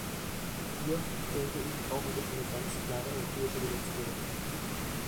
Hier, denke ich, brauchen wir eine ganz klare europäische Gesetzgebung.